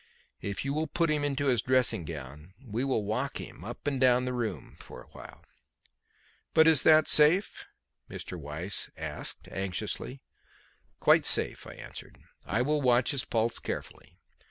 If you will put him into his dressing gown we will walk him up and down the room for a while." "But is that safe?" Mr. Weiss asked anxiously. "Quite safe," I answered. "I will watch his pulse carefully.